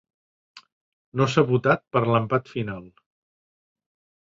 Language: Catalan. No s'ha votat per l'empat final.